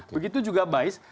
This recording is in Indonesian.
begitu juga bis